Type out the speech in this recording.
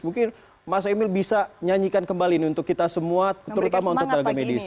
mungkin mas emil bisa nyanyikan kembali ini untuk kita semua terutama untuk tenaga medis